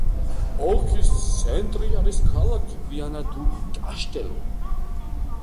ოლქის ცენტრი არის ქალაქი ვიანა-დუ-კაშტელუ.